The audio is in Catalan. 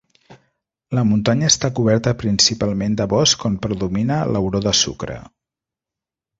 La muntanya està coberta principalment de bosc on predomina l'auró de sucre.